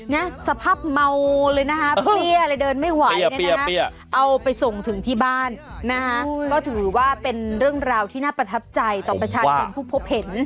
นะสภาพเมาเลยนะคะเปรี้ยเลยเดินไม่ไหวเนี่ยนะเอาไปส่งถึงที่บ้านนะคะก็ถือว่าเป็นเรื่องราวที่น่าประทับใจต่อประชาชนผู้พบเห็น